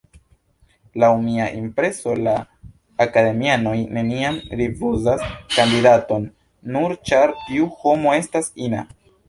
Laŭ mia impreso, la akademianoj neniam rifuzas kandidaton, nur ĉar tiu homo estas ina.